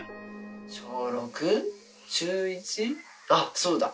あっそうだ。